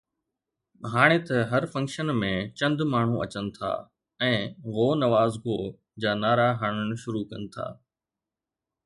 هاڻي ته هر فنڪشن ۾ چند ماڻهو اچن ٿا ۽ ”گو نواز گو“ جا نعرا هڻڻ شروع ڪن ٿا.